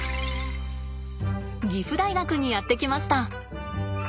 岐阜大学にやって来ました。